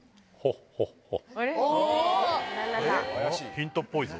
ヒントっぽいぞ。